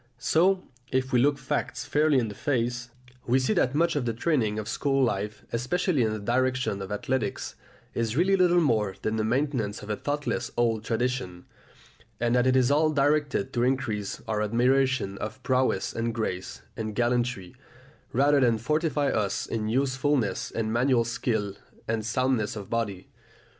So, if we look facts fairly in the face, we see that much of the training of school life, especially in the direction of athletics, is really little more than the maintenance of a thoughtless old tradition, and that it is all directed to increase our admiration of prowess and grace and gallantry, rather than to fortify us in usefulness and manual skill and soundness of body.